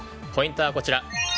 ポイントはこちら。